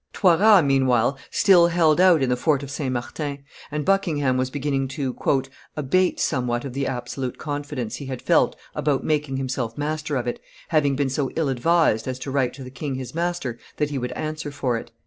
Toiras, meanwhile, still held out in the Fort of St. Martin, and Buckingham was beginning to "abate somewhat of the absolute confidence he had felt about making himself master of it, having been so ill advised as to write to the king his master that he would answer for it."